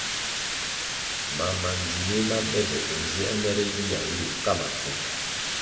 Mam ma ndzinih ma be be ywe nziē mere gia nlu ka maku.